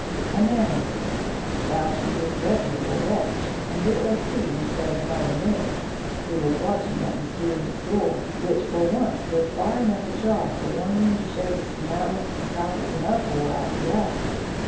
A man was there; a slouchy, disreputable wretch, and it was he, instead of Mother Merry, who was watching that mysterious door, which for once stood far enough ajar for one room to share the smells, sights, and uproar of the other.